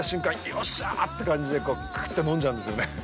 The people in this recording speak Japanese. よっしゃーって感じでクーっと飲んじゃうんですよね。